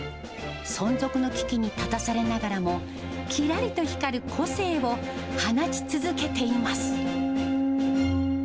存続の危機に立たされながらも、きらりと光る個性を放ち続けています。